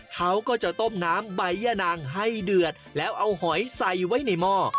เขาก็จะต้มน้ำใบย่านางให้เดือดแล้วเอาหอยใส่ไว้ในหม้อ